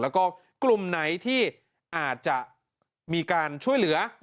แล้วก็กลุ่มไหนที่อาจจะมีการช่วยเหลือ